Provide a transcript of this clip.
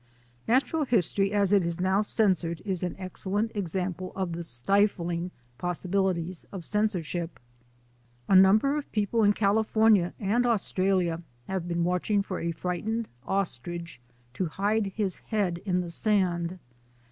Natural history as it is now censored is an excellent example of the stifling possibilities of censorship. A number of people in California and Australia have been watching for a frightened ostrich to hide his head in the sand.